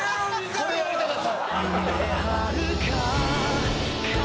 これやりたかった。